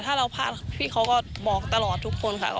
ถ้าเราพลาดพี่เขาก็บอกตลอดทุกคนค่ะ